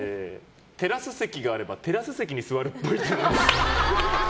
テラス席があればテラス席に座るっぽい。